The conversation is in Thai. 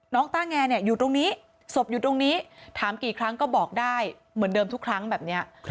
ต้าแงอยู่ตรงนี้ศพอยู่ตรงนี้ถามกี่ครั้งก็บอกได้เหมือนเดิมทุกครั้งแบบนี้